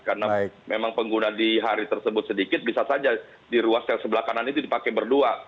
karena memang pengguna di hari tersebut sedikit bisa saja di ruas yang sebelah kanan itu dipakai berdua